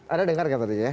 ada dengar nggak pak titi